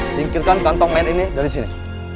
singkirkan kantong main ini dari sini